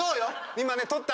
今ね撮った？